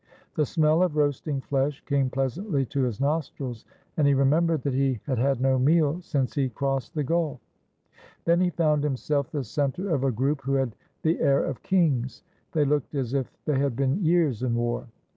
The smell of roasting flesh came pleasantly to his nostrils, and he remembered that he had had no meal since he crossed the gulf. Then he found himself the center of a group who had the air of kings. They looked as if they had been years in war.